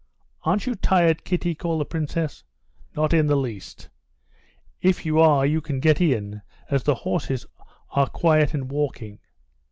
"Aren't you tired, Kitty?" called the princess. "Not in the least." "If you are you can get in, as the horses are quiet and walking."